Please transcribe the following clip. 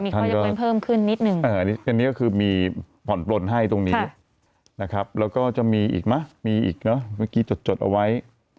อย่างนี้ก็คือมีผ่อนปลนให้ตรงนี้แล้วก็จะมีอีกมั้ยมีอีกเนอะเมื่อกี้จดเอาไว้